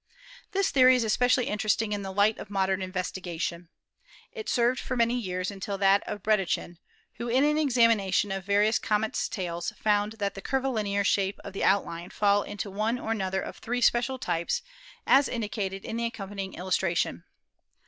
This theory is especially interesting in the light of modern investigation. It served for many years until that of Bredichin, who in an examination of various comets' tails found that the curvilinear shapes of the out COMETS, METEORS AND METEORITES 245 line fall into one or another of three special types as indicated in the accompanying illustration.